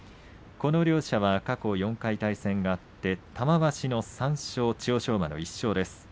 この両者は過去４回対戦があって玉鷲の３勝、千代翔馬の１勝です。